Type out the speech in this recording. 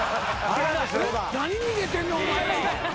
何逃げてんねんお前ら。